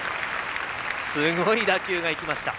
すごい打球がいきました。